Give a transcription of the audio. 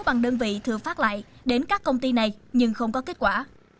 bằng đơn vị thừa phát lại đến các công ty này nhưng không có kết quả